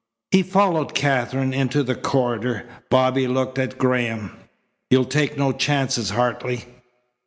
He followed Katherine into the corridor. Bobby looked at Graham. "You'll take no chances, Hartley?"